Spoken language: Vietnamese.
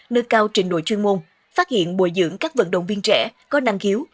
nâng cao trình đội chuyên môn phát hiện bồi dưỡng các vận động viên trẻ có năng khiếu